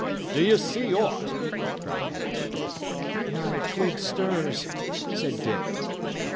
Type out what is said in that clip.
"D'ye see aught?" cried Hatch. "Not a twig stirs," said Dick.